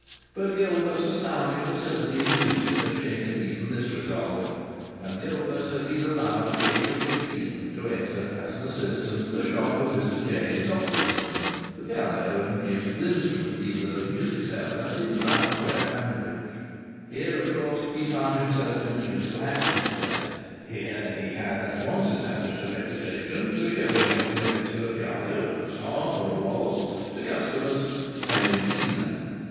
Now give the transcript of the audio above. But Gilbert's astounding facility in music had shaken even this resolve, and Gilbert had been allowed at the age of fifteen to enter, as assistant, the shop of Mr James Otkinson, the piano and musical instrument dealer and musicseller, in Crown Square, Hanbridge. Here, of course, he found himself in a musical atmosphere. Here he had at once established a reputation for showing off the merits of a piano, a song, or a waltz, to customers male and female.